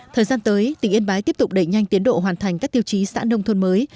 thời gian tới tỉnh yên bái tiếp tục đẩy nhanh tiến độ hoàn thành các tiêu chí xã nông thôn mới